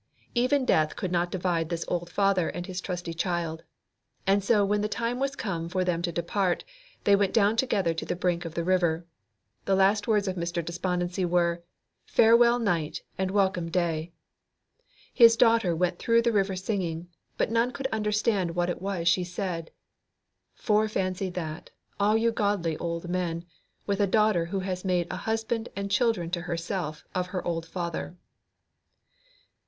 Even death could not divide this old father and his trusty child. And so when the time was come for them to depart, they went down together to the brink of the river. The last words of Mr. Despondency were, "Farewell night and welcome day." His daughter went through the river singing, but none could understand what it was she said. Fore fancy that, all you godly old men, with a daughter who has made a husband and children to herself of her old father.